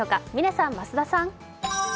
嶺さん増田さん。